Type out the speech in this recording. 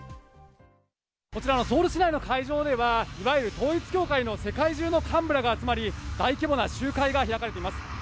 こちらのソウル市内の会場ではいわゆる統一教会の世界中の幹部らが集まり、大規模な集会が開かれています。